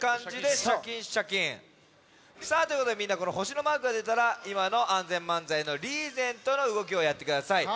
さあということでみんなこのほしのマークがでたらいまのＡＮＺＥＮ漫才のリーゼントのうごきをやってください。